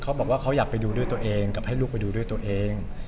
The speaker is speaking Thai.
เขาบอกว่าเขาอยากไปดูด้วยตัวเองกับให้ลูกไปดูด้วยตัวเอง